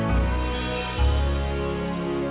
gimana banget flourchlank mu